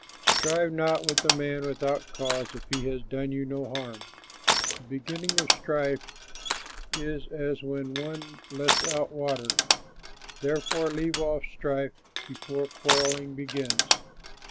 Strive not with a man without cause, If he has done you no harm. The beginning of strife is as when one lets out water; Therefore leave off strife before quarrelling begins.